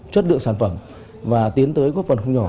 chất lượng sản phẩm và tiến tới góp phần không nhỏ